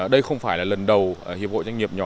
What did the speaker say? đây không phải là lần đầu hiệp hội doanh nghiệp nhỏ